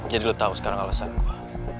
jadi lu tau sekarang alasan gue